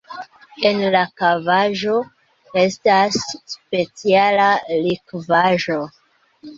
En la kavaĵo estas speciala likvaĵo.